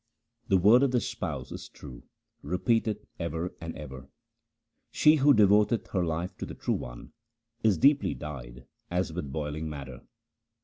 The Word of the Spouse is true ; repeat it ever and ever. She who devoteth her life to the True One, is deeply dyed as with boiling madder.